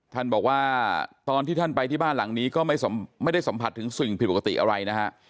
ท่านบอกว่าตอนที่ท่านไปที่บ้านหลังนี้ก็ไม่ได้สัมผัสถึงสิ่งผิดปกติอะไรนะฮะ